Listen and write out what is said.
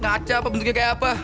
kaca apa bentuknya kayak apa